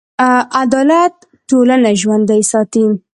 عدالت ټولنه ژوندي ساتي.